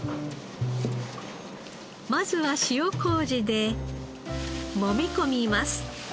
まずは塩こうじでもみ込みます。